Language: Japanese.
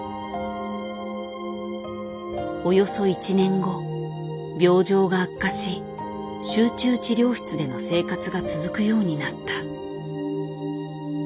およそ１年後病状が悪化し集中治療室での生活が続くようになった。